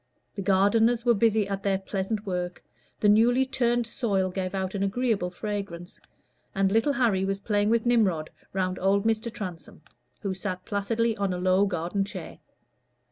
The gardeners were busy at their pleasant work; the newly turned soil gave out an agreeable fragrance; and little Harry was playing with Nimrod round old Mr. Transome, who sat placidly on a low garden chair.